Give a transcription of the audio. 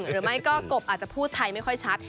หรือไม่ก็กบอาจจะพูดไทยไม่ค่อยชัด